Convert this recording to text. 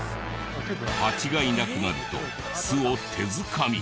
ハチがいなくなると巣を手づかみ。